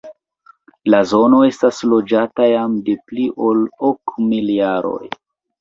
La zono estas loĝata jam de pli ol ok mil jaroj.